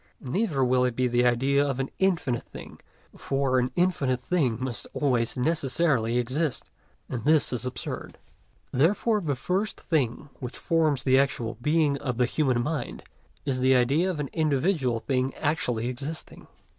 Neither will it be the idea of an infinite thing, for an infinite thing must always necessarily exist, and this is absurd. Therefore the first thing which forms the actual Being of the human mind is the idea of an individual thing actually existing.